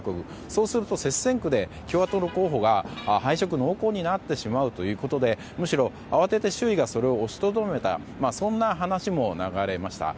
そうすると接戦区で共和党の候補が敗色濃厚になってしまうということでむしろ慌てて、周囲がそれを押しとどめたという話も流れました。